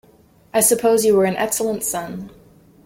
I suppose you were an excellent son.